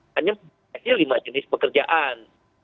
hanya lima jenis pekerjaan